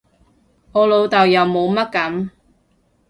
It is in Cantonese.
我老豆又冇乜噉